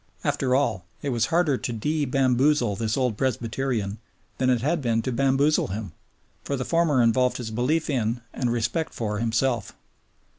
After all, it was harder to de bamboozle this old Presbyterian than it had been to bamboozle him; for the former involved his belief in and respect for himself.